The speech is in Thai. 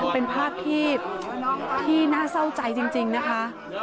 เป็นภาพที่น่าเศร้าใจจริงนะคะ